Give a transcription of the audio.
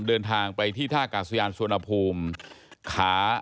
เดินทางไปที่ท่ากาศยานสุวรรณภูมิขา